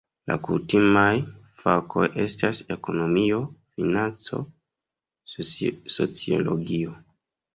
La kutimaj fakoj estas ekonomio, financo, sociologio.